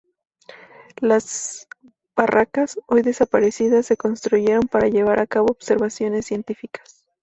Las barracas, hoy desaparecidas, se construyeron para llevar a cabo observaciones científicas.